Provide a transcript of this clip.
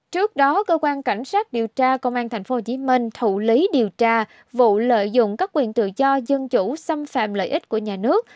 trước đó cơ quan cảnh sát điều tra công an tp hcm thụ lý điều tra vụ lợi dụng các quyền tự do dân chủ xâm phạm lợi ích của nhà nước